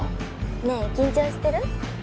ねえ緊張してる？